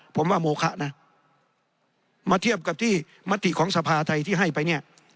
ผมว่าโมคะนะมาเทียบกับที่มติของสภาไทยที่ให้ไปเนี่ย